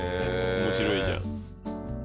面白いじゃん。